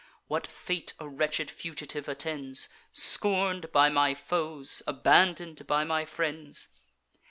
What fate a wretched fugitive attends, Scorn'd by my foes, abandon'd by my friends?